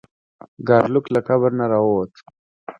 ګارلوک له قبر نه راووت.